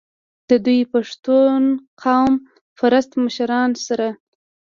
د دوي د پښتنو قام پرست مشرانو سره